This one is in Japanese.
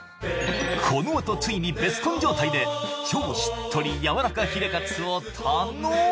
このあとついにベスコン状態で超しっとりやわらかヒレかつを堪能！